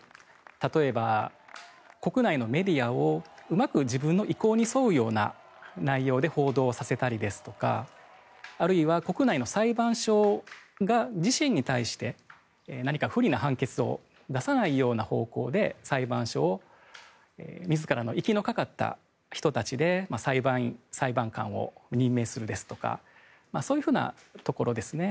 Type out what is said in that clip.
例えば、国内のメディアをうまく自分の意向に沿うような内容で報道させたりですとかあるいは国内の裁判所が自身に対して何か不利な判決を出さない方向で裁判所を自らの息のかかった人たちで裁判官を任命するですとかそういうところですね。